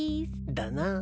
だな。